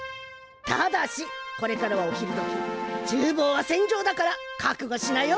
ただしこれからはお昼どきちゅうぼうは戦場だからかくごしなよ。